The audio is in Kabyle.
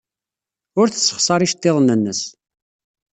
Ur tessexṣar iceḍḍiḍen-nnes.